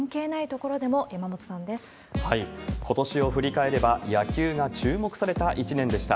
ことしを振り返れば、野球が注目された１年でした。